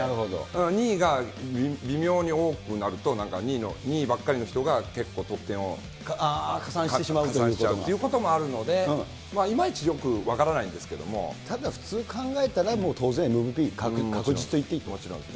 ２位が微妙に多くなると、なんか２位ばっかりの人が、結構得点を加算しちゃうということもあるので、いまいちよく分か普通考えたら、もう当然ＭＶＰ確実といっていいと思います。